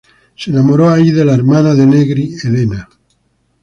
Se enamoró ahí de la hermana de Negri, Elena.